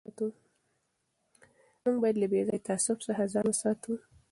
موږ باید له بې ځایه تعصب څخه ځان وساتو.